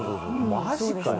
マジかよ。